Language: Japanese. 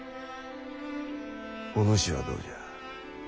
お主はどうじゃ？